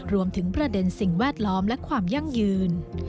รวมถึงประเด็นสิ่งแวดล้อมและความยั่งยืน